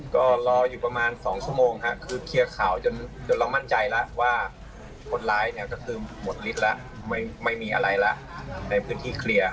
ก็รออยู่ประมาณ๒ชั่วโมงค่ะคือเคลียร์ข่าวจนเรามั่นใจแล้วว่าคนร้ายเนี่ยก็คือหมดฤทธิ์แล้วไม่มีอะไรแล้วในพื้นที่เคลียร์